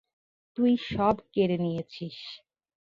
তুই সব কেড়ে নিয়েছিস।